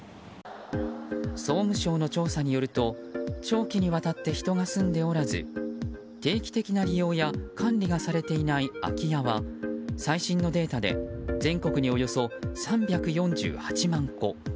総務省の調査によると長期にわたって人が住んでおらず定期的な利用や管理がされていない空き家は最新のデータで全国におよそ３４８万戸。